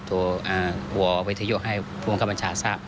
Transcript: ตัวหัววิทยุให้พวกกำลังชาติทราบ